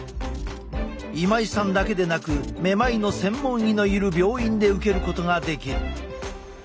今井さんだけでなくめまいの専門医のいる病院で受けることができる。